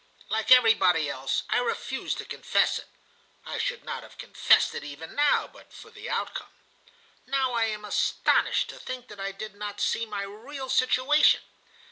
Like everybody else, I refused to confess it (I should not have confessed it even now but for the outcome). Now I am astonished to think that I did not see my real situation.